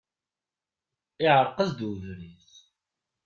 Iεreq-as-d ubrid.